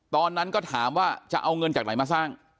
ตอนนั้นก็ถามว่าจะเอาเงินจากไหนมาสร้าง